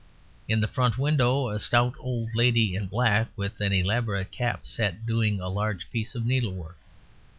In the front window a stout old lady in black with an elaborate cap sat doing a large piece of needlework.